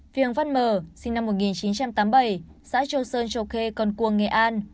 viềng văn mở sinh năm một nghìn chín trăm tám mươi bảy xã châu sơn châu khê con cuồng nghệ an